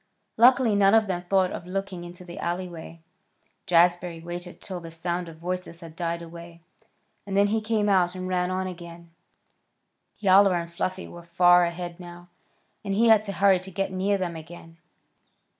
Luckily none of them thought of looking into the alleyway. Jazbury waited till the sound of voices had died away, and then he came out and ran on again. Yowler and Fluffy were far ahead now, and he had to hurry to get near them again.